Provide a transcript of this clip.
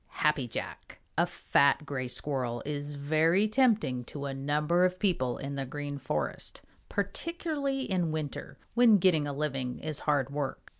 Happy Jack. A fat Gray Squirrel is very tempting to a number of people in the Green Forest, particularly in winter, when getting a living is hard work.